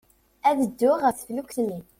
Ad dduɣ ɣef teflukt-nni.